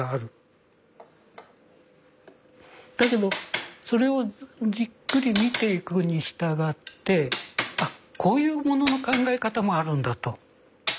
だけどそれをじっくり見ていくにしたがってこういうものの考え方もあるんだと。